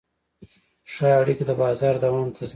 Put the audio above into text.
ښه اړیکې د بازار دوام تضمینوي.